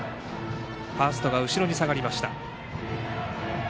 ファーストが後ろに下がりました。